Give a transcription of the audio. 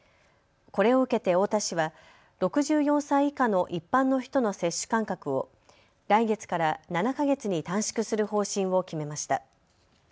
これを受けて太田市は６４歳以下の一般の人の接種間隔を来月から７か月に短縮する方針を決めました。